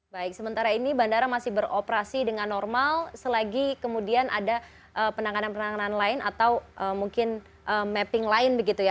baik sementara ini bandara masih beroperasi dengan normal selagi kemudian ada penanganan penanganan lain atau mungkin mapping lain begitu ya